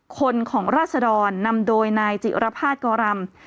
คนของราศดรนำโดยนายจิรภาษณกรำ